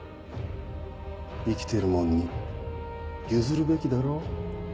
生きてるもんに譲るべきだろ？